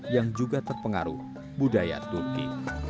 yang juga terpengaruh budaya turki